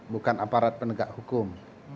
bukan aparat penegak hukum